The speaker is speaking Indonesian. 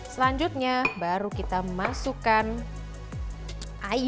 selanjutnya baru kita masukkan air